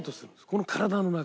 この体の中。